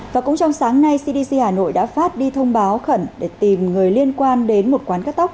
và cũng trong sáng nay cdc hà nội đã phát đi thông báo khẩn để tìm người liên quan đến một quán cắt tóc